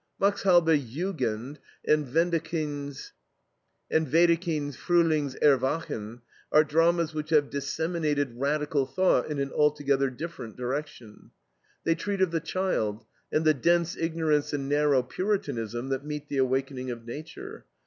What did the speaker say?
Max Halbe's JUGEND and Wedekind's FRUHLING'S ERWACHEN are dramas which have disseminated radical thought in an altogether different direction. They treat of the child and the dense ignorance and narrow Puritanism that meet the awakening of nature.